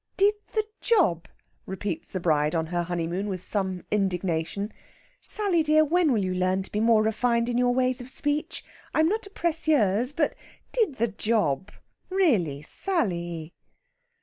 "'Did the job!'" repeats the bride on her honeymoon with some indignation. "Sally dear, when will you learn to be more refined in your ways of speech? I'm not a précieuse, but 'did the job!' Really, Sally!..."